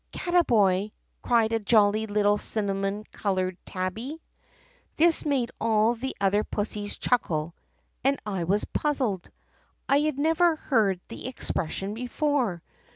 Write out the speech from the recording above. " 'Cattaboy!' cried a jolly little cinnamon colored tabby. This made all the other pussies chuckle and I was puzzled. I had never heard the expression before.